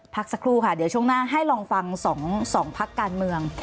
พักสักครู่ค่ะเดี๋ยวช่วงหน้าให้ลองฟัง๒พักการเมือง